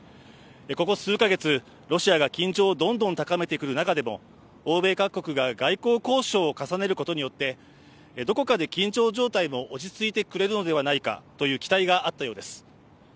ここ数カ月、ロシアが緊張をどんどん高めてくる中でも欧米各国が外交交渉を重ねることによってどこかで緊張状態も落ち着いてくれるのではないかという期待があったようです。